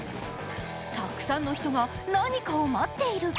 たくさんの人が何かを待っている。